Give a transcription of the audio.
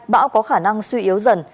bão có khả năng suy yếu dần